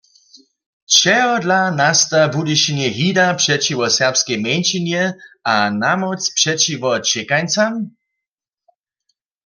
Čehodla nasta w Budyšinje hida přećiwo serbskej mjeńšinje a namóc přećiwo ćěkancam?